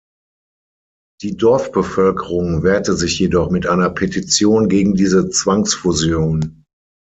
Die Dorfbevölkerung wehrte sich jedoch mit einer Petition gegen diese Zwangsfusion.